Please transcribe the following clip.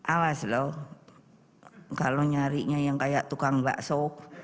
awas loh kalau nyarinya yang kayak tukang bakso